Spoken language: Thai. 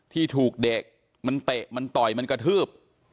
ที่ถูกเด็กมันเตะมันต่อยมันกระทืบ